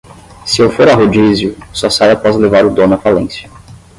Se eu for ao rodízio, só saio após levar o dono à falência